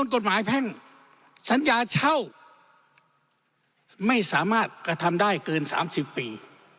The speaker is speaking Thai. กฎหมายแพ่งสัญญาเช่าไม่สามารถกระทำได้เกิน๓๐ปี